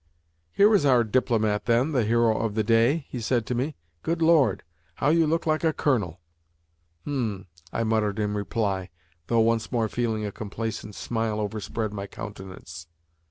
"Here is our DIPLOMAT, then the hero of the day!" he said to me, "Good Lord! how you look like a colonel!" "H m!" I muttered in reply, though once more feeling a complacent smile overspread my countenance.